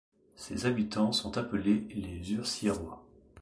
Ses habitants sont appelés les Urciérois.